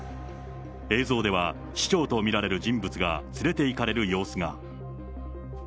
映像では、市長と見られる人物が連れていかれる様子が。